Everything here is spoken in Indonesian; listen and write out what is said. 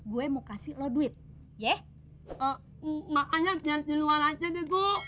gue mau kasih lo duit ya makanya biar di luar aja deh bu